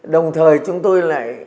đồng thời chúng tôi lại